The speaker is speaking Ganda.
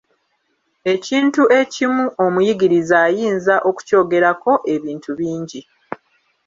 Ekintu ekimu omuyigiriza ayinza okukyogerako ebintu bingi.